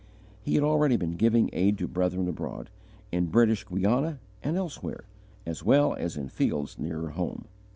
He had already been giving aid to brethren abroad, in British Guiana and elsewhere, as well as in fields nearer at home.